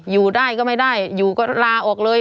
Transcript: อยู่ได้ก็ไม่ได้อยู่ก็ลาออกเลย